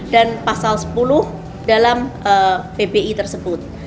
dan pasal sepuluh dalam pbi tersebut